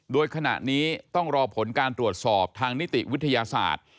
โดยขณะนี้ต้องรอผลการตรวจสอบทางนิติวิทยาศาสตร์